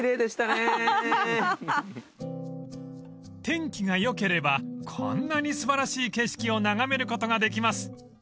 ［天気が良ければこんなに素晴らしい景色を眺めることができます］